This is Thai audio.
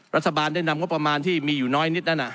รัฐบาลได้นำงบประมาณที่มีอยู่น้อยนิดนั้น